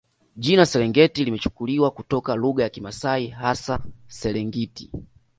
Jina Serengeti limechukuliwa kutoka lugha ya Kimasai hasa Serengit